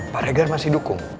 pak reger masih dukung